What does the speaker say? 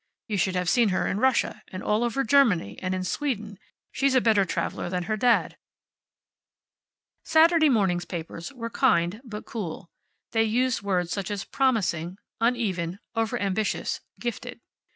You should have seen her in Russia, and all over Germany, and in Sweden. She's a better traveler than her dad." Saturday morning's papers were kind, but cool. They used words such as promising, uneven, overambitious, gifted.